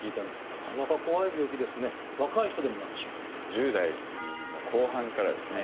１０代の後半からですね